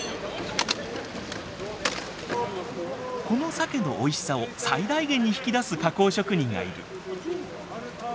このサケのおいしさを最大限に引き出す加工職人がいる。